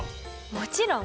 もちろん。